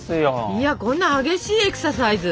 いやこんな激しいエクササイズ？